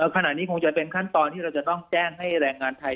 ขณะนี้คงจะเป็นขั้นตอนที่เราจะต้องแจ้งให้แรงงานไทย